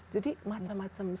jadi macam macam sekali